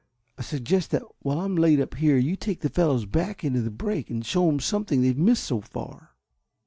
"I suggest that while I am laid up here you take the fellows back into the brake, and show 'em something they've missed so far."